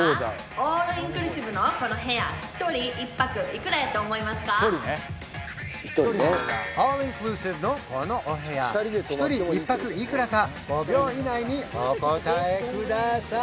オールインクルーシブのこのお部屋１人１泊いくらか５秒以内にお答えください